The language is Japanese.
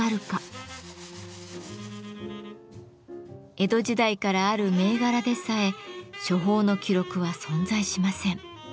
江戸時代からある銘柄でさえ処方の記録は存在しません。